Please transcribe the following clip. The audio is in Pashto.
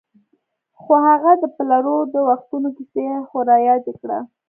خو هغه د پلرو د وختونو کیسې خو رایادې کړه.